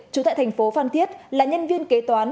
trú tại thành phố phan thiết là nhân viên kế toán